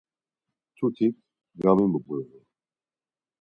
Mtutik gamimğoru.